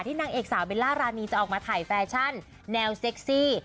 นางเอกสาวเบลล่ารานีจะออกมาถ่ายแฟชั่นแนวเซ็กซี่